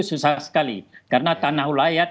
susah sekali karena tanah ulayat